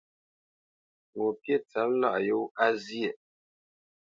Ŋo pyêʼ tsâp lâʼ yōa zyéʼ.